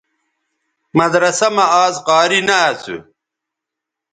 مدرسہ مہ آزقاری نہ اسُو